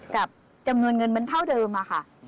กับจำนวนเงินมันเท่าเดิมอะค่ะ